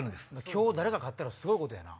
今日誰か勝ったらすごいことやな。